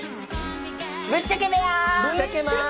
ぶっちゃけ部屋！